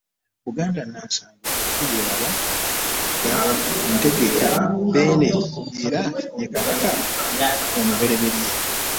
Buganda, Nansangwawo, Uyo, Laba, Wanga, Ntege, Beene, era ye Kabaka omubereberye.